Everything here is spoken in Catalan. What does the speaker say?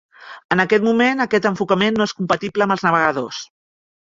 En aquest moment, aquest enfocament no és compatible amb els navegadors.